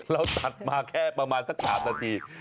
เราตัดมาแค่ประมาณสัก๓นาที